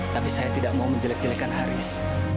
tapi saya tidak mau menjelek jelekkan haris